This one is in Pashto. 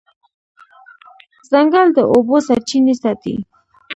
ځنګل د اوبو سرچینې ساتي.